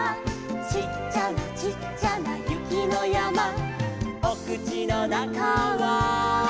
「ちっちゃなちっちゃなゆきのやま」「おくちのなかは」